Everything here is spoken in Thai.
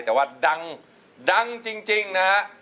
แต่ว่าดังดังจริงนะฮะ